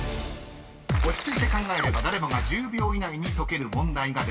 ［落ち着いて考えれば誰もが１０秒以内に解ける問題が出ます］